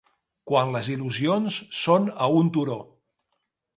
Quan les il·lusions són a un turó